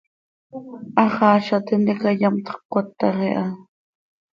Haxaaza tintica yamtxö cöcatax iha.